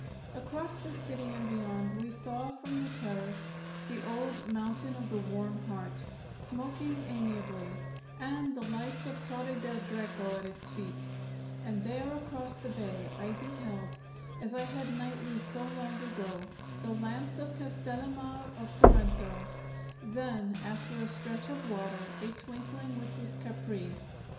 Across the city, and beyond, we saw, from the terrace, the old mountain of the warm heart, smoking amiably, and the lights of Torre del Greco at its feet, and there, across the bay, I beheld, as I had nightly so long ago, the lamps of Castellamare, of Sorrento; then, after a stretch of water, a twinkling which was Capri.